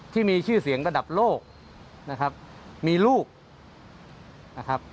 ที่มีชื่อเสียงระดับโลกนะครับมีลูกนะครับ